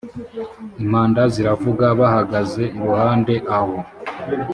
impanda ziravuga bahagaze iruhande aho